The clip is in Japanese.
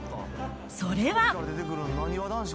それは。